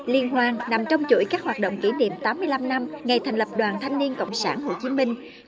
liên hoan nằm trong chuỗi các hoạt động kỷ niệm tám mươi năm năm ngày thành lập đoàn thanh niên cộng sản hồ chí minh